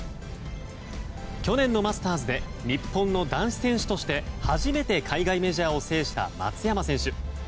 去年のマスターズで日本の男子選手として初めて海外メジャーを制した松山選手。